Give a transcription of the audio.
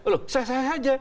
loh sah sah saja